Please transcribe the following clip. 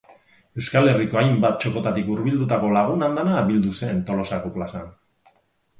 Euskal Herriko hainbat txokotatik hurbildutako lagun andana bildu zen Tolosako plazan.